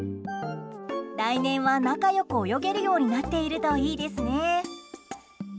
来年は仲良く泳げるようになっているといいですね。